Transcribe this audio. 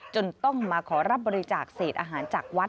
จนต้องมาขอรับบริจาคเศษอาหารจากวัด